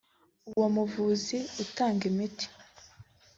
(Uwo muvuzi utanga imiti)